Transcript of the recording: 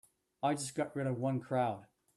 I just got rid of one crowd.